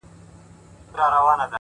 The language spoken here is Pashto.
o خداى نه چي زه خواست كوم نو دغـــه وي،